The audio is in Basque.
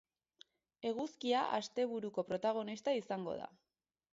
Eguzkia asteburuko protagonista izango da.